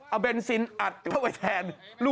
เอาเบนซินอัดเข้าไปแทน